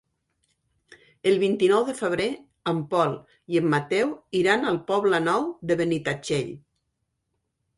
El vint-i-nou de febrer en Pol i en Mateu iran al Poble Nou de Benitatxell.